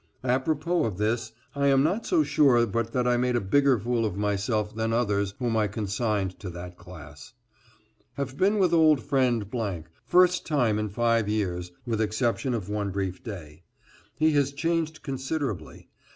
Apropos of this, I am not so sure but that I made a bigger fool of myself than others whom I consigned to that class. Have been with old friend , first time in five years, with exception of one brief day. He has changed considerably.